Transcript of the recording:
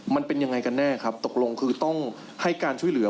มันเป็นยังไงกันแน่ครับตกลงคือต้องให้การช่วยเหลือ